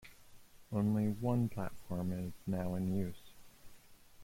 Only one platform is now in use.